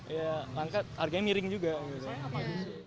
iya langka harganya miring juga